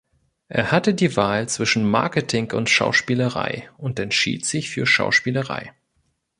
Er hatte die Wahl zwischen Marketing und Schauspielerei und entschied sich für Schauspielerei.